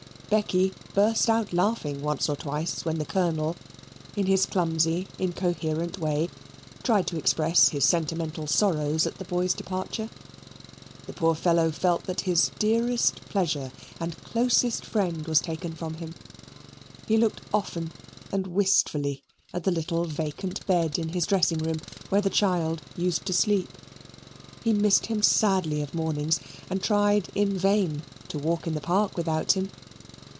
Becky burst out laughing once or twice when the Colonel, in his clumsy, incoherent way, tried to express his sentimental sorrows at the boy's departure. The poor fellow felt that his dearest pleasure and closest friend was taken from him. He looked often and wistfully at the little vacant bed in his dressing room, where the child used to sleep. He missed him sadly of mornings and tried in vain to walk in the park without him.